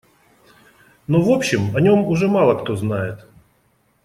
Но, в общем, о нем уже мало кто знает.